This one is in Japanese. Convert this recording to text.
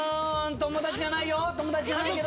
友達じゃないけど。